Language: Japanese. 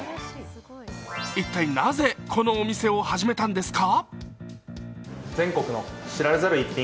一体なぜこのお店を始めたんですか？